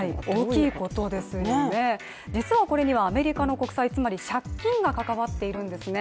大きいことですよね、実はこれにはアメリカの国債、つまり借金が関わっているんですね。